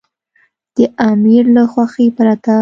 د امیر له خوښې پرته.